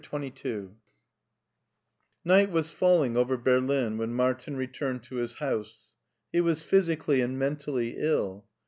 CHAPTER XXII NIGHT was falling over Berlin when Martin returned to his house. He was physically and mentally ill.